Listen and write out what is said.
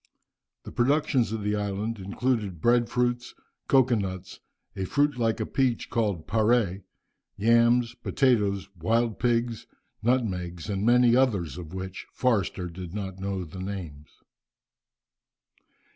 The productions of the island included bread fruits, cocoa nuts, a fruit like a peach, called "parre," yams, potatoes, wild pigs, nutmegs, and many others of which Forster did not know the names.